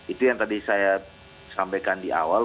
itu yang tadi saya sampaikan di awal